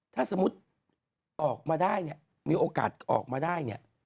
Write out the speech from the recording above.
ถ้าสมมุติออกมาได้เนี่ยมีโอกาสออกมาได้เนี่ย